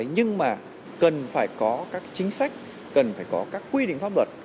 nhưng mà cần phải có các chính sách cần phải có các quy định pháp luật